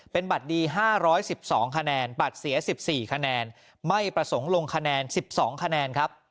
เป็นบัตรดี๕๑๒คะแนนบัตรเสีย๑๔คะแนนไม่ประสงค์ลงคะแนน๑๒คะแนนครับ